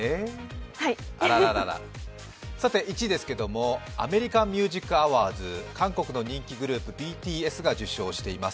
１位ですが、アメリカン・ミュージック・アワーズ、韓国のＢＴＳが受賞しています。